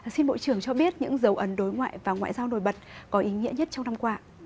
xin bộ trưởng cho biết những dấu ấn đối ngoại và ngoại giao nổi bật có ý nghĩa nhất trong năm qua